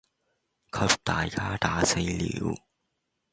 給大家打死了；